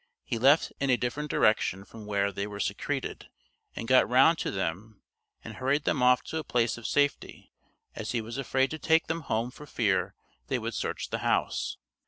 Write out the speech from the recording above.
He left in a different direction from where they were secreted, and got round to them and hurried them off to a place of safety, as he was afraid to take them home for fear they would search the house.